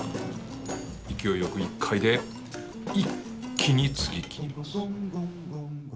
勢いよく１回で一気につぎきります。